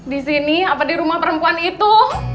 di sini apa di rumah perempuan itu